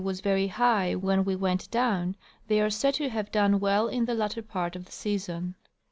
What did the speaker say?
143 was very high when we went down, they are said to have done Avell in the latter part of the season.